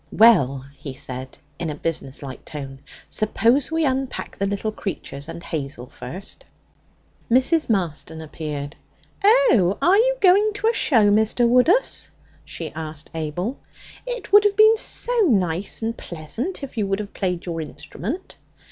'Well,' he said in a business like tone, 'suppose we unpack the little creatures and Hazel first?' Mrs. Marston appeared. 'Oh, are you going to a show, Mr. Woodus?' she asked Abel. 'It would have been so nice and pleasant if you would have played your instrument.'